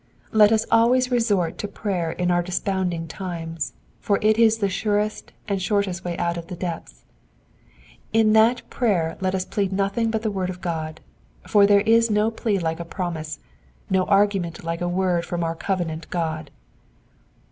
Let us always resort to prayer in our desponding times, for it is the surest and shortest way out of the depths. In that prayer let us plead nothing but the word of God ; for there is no plea like a promise, no argument like a word from our covenant God.